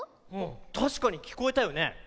たしかにきこえたよね。